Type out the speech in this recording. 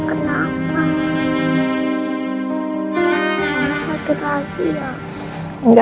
kamu sakit lagi ya